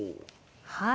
はい。